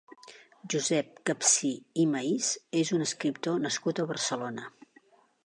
Josep Capsir i Maíz és un escriptor nascut a Barcelona.